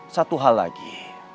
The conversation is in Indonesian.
satu hal lagi